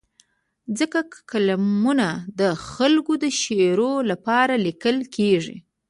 ځکه کالمونه د خلکو د شعور لپاره لیکل کېږي.